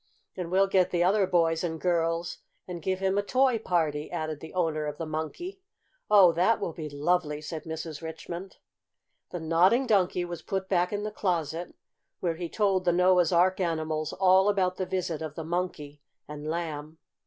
"And we'll get the other boys and girls and give him a toy party," added the owner of the Monkey. "Oh, that will be lovely!" said Mrs. Richmond. The Nodding Donkey was put back in the closet, where he told the Noah's Ark animals all about the visit of the Monkey and Lamb.